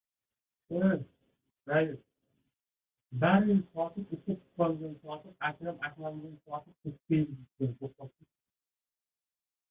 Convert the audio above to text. Ammo gapidan qaytmadi: